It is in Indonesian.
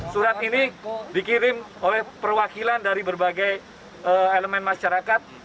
surat ini dikirim oleh perwakilan dari berbagai elemen masyarakat